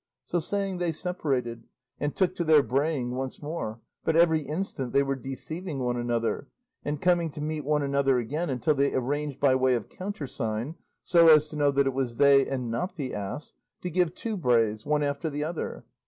So saying they separated, and took to their braying once more, but every instant they were deceiving one another, and coming to meet one another again, until they arranged by way of countersign, so as to know that it was they and not the ass, to give two brays, one after the other.